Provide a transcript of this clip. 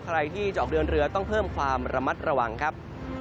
ใครที่จะออกเดินเรือต้องเพิ่มความระมัดระวังครับ